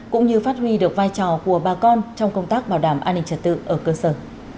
cũng như phát huy được vai trò của bà con trong công tác bảo đảm an ninh trật tự ở cơ sở